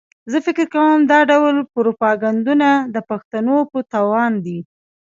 زه فکر کوم دا ډول پروپاګنډونه د پښتنو په تاوان دي.